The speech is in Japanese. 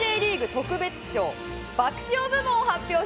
特別賞爆笑部門を発表します。